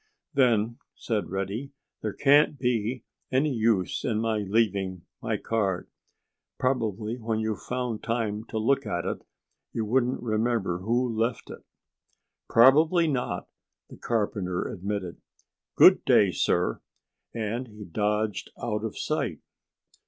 "Then," said Reddy, "there can't be any use in my leaving my card. Probably when you found time to look at it you wouldn't remember who left it." "Probably not!" the carpenter admitted. "Good day, sir!" And he dodged out of sight.